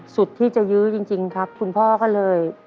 สุดที่จะยื้อจริงครับคุณพ่อก็เลย